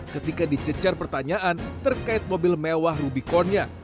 ketika dicecar pertanyaan terkait mobil mewah rubiconnya